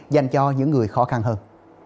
dành cho những người khó khăn hơn